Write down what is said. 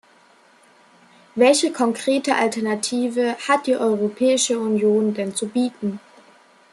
Welche konkrete Alternative hat die Europäische Union denn zu bieten?